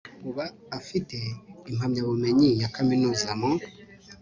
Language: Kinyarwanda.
uba afite impamyabumenyi ya kaminuza mu